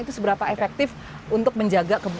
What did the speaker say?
itu seberapa efektif untuk menjaga